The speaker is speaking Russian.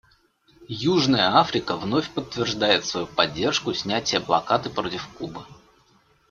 Южная Африка вновь подтверждает свою поддержку снятия блокады против Кубы.